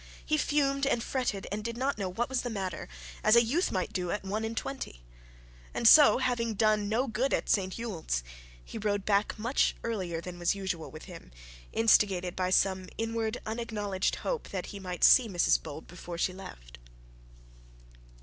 He fumed and fretted, and did not know what was the matter, as a youth might do at one and twenty. And so having done no good at St Ewold's, he rode back much earlier than was usual with him, instigated, by some inward unacknowledged hope that he might see Mrs Bold before she left.